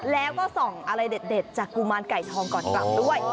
แล้วก็ส่องอะไรเด็ดจากกุมารไก่ทองก่อนกลับด้วย